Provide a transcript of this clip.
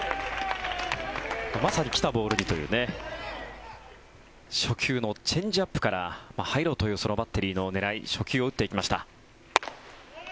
まさに来たボールという初球のチェンジアップから入ろうというバッテリーの狙い初球を打っていきました。